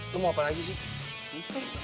lu mau apa lagi sih